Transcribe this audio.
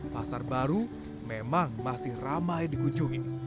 pasar baru memang masih ramai dikunjungi